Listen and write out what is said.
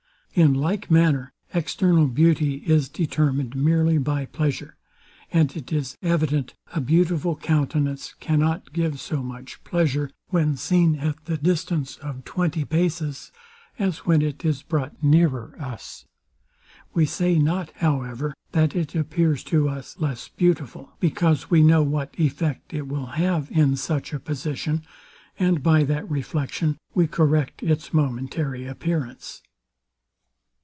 In like manner, external beauty is determined merely by pleasure; and it is evident, a beautiful countenance cannot give so much pleasure, when seen at the distance of twenty paces, as when it is brought nearer us. We say not, however, that it appears to us less beautiful: Because we know what effect it will have in such a position, and by that reflection we correct its momentary appearance.